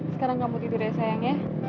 sekarang kamu tidur ya sayang ya